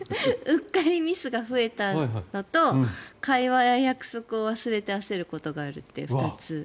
うっかりミスが増えたのと会話や約束を忘れて焦ることがあるという２つ。